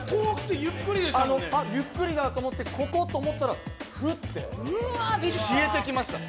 ゆっくりだと思って、ここと思ったらフッて、消えてきましたね。